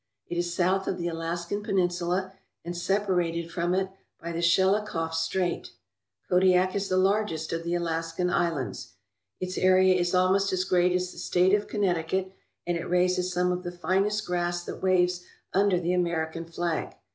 It is south of the Alaskan Penin sula, and separated from it by Shelikof Strait. Kodiak is the largest of the Alaskan islands. Its area is almost as great as the state of Connecticut and it raises some of the finest grass that waves under the American flag.